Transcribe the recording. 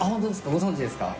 ご存じですか？